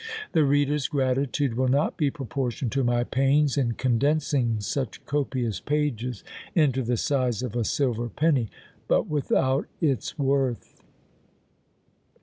The reader's gratitude will not be proportioned to my pains, in condensing such copious pages into the size of a "silver penny," but without its worth!